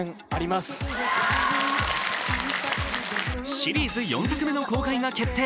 シリーズ４作目の公開が決定。